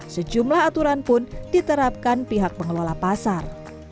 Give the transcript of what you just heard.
sejumlah aturan pun diterapkan pihak pengelola pasar